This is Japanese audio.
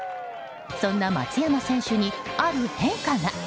そんな松山選手にある変化が。